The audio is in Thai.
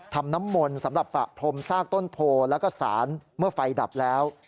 ทำน้ำมนต์สำหรับประพรมซากต้นโพแล้วก็สารเมื่อไฟดับแล้ว